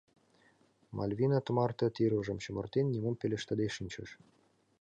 Мальвина тымарте, тӱрвыжым чумыртен, нимом пелештыде шинчыш.